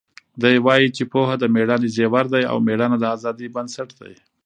دی وایي چې پوهه د مېړانې زیور دی او مېړانه د ازادۍ بنسټ دی.